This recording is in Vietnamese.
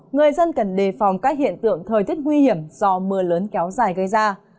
người dân cần đề phòng các hiện tượng thời tiết nguy hiểm do mưa lớn kéo dài gây ra